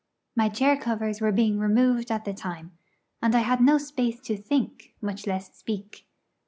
My chair covers were being removed at the time, and I had no space to think, much less speak.